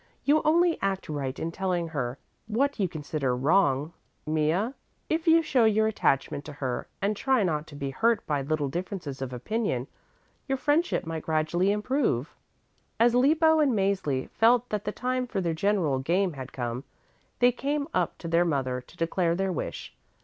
You only act right in telling her what you consider wrong, Mea. If you show your attachment to her and try not to be hurt by little differences of opinion, your friendship might gradually improve." As Lippo and Mäzli felt that the time for the general game had come, they came up to their mother to declare their wish.